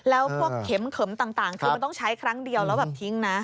แล้วพวกเข็มเขิมต่างคือมันต้องใช้ครั้งเดียวแล้วแบบทิ้งนะ